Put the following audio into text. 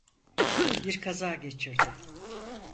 Bir kaza geçirdi.